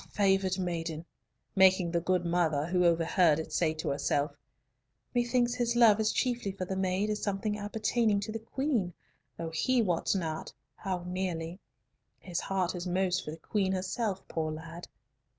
favoured maiden," making the good mother, who overheard it, say to herself, "Methinks his love is chiefly for the maid as something appertaining to the Queen, though he wots not how nearly. His heart is most for the Queen herself, poor lad."